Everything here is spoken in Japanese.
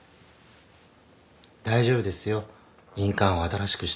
大丈夫ですよ印鑑を新しくしたんですから。